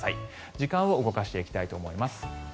時間を動かしていきたいと思います。